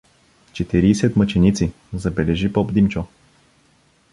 Четирийсет мъченици — забележи поп Димчо.